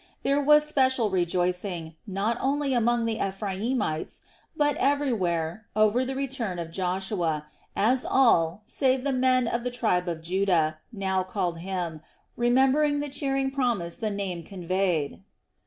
There was special rejoicing, not only among the Ephraimites, but everywhere, over the return of Joshua, as all, save the men of the tribe of Judah, now called him, remembering the cheering promise the name conveyed.